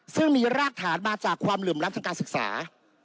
ซึ่งมีรากฐานมาจากความเหลื่อมล้ำทางการศึกษา